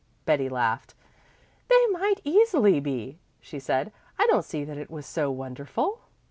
Betty laughed. "They might easily be," she said. "I don't see that it was so wonderful."